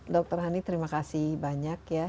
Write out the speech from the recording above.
dr hani terima kasih banyak ya